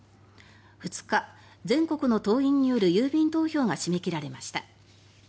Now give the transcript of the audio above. ２日、全国の党員による郵便投票が締め切られました。